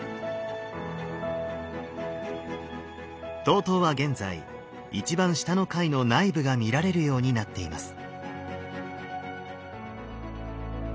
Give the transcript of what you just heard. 東塔は現在一番下の階の内部が見られるようになっています。